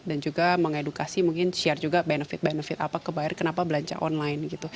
dan juga mengedukasi mungkin share juga benefit benefit apa ke bayar kenapa belanja online